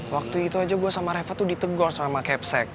waktu itu aja gue sama reva tuh ditegor sama kepsec